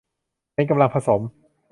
เป็นกำลังผสม